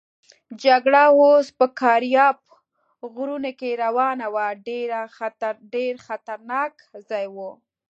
جګړه اوس په کارپات غرونو کې روانه وه، ډېر خطرناک ځای وو.